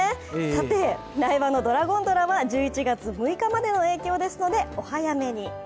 さて、苗場のドラゴンドラは１１月６日までの営業ですので、お早めに。